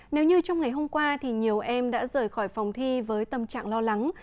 nếu như trong ngày hôm qua thì nhiều em đã rời khỏi phòng thi với tâm trạng lo lắng